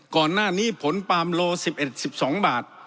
ก่อนหน้านี้ผลปาล์มโล๑๑๑๒บาท